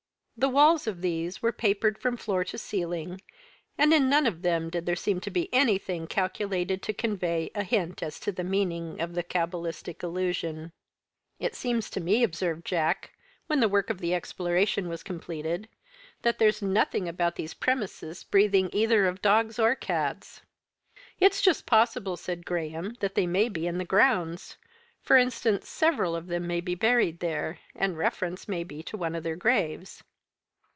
The walls of these were papered from floor to ceiling, and in none of them did there seem to be anything calculated to convey a hint as to the meaning of the cabalistic allusion. "It seems to me," observed Jack, when the work of exploration was completed, "that there's nothing about these premises breathing of either dogs or cats." "It is just possible," said Graham, "that they may be in the grounds. For instance, several of them may be buried there, and the reference may be to one of their graves."